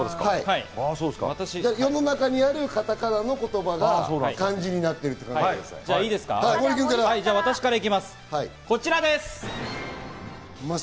世の中にあるカタカナの言葉が漢字になっていると考えてください。